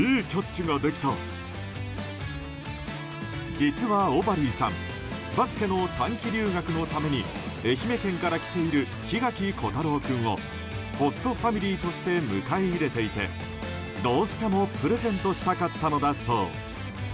実はオバリーさんバスケの短期留学のために愛媛県から来ている檜垣虎太郎君をホストファミリーとして迎え入れていてどうしてもプレゼントしたかったのだそう。